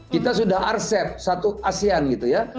kita sudah rcef satu asean gitu ya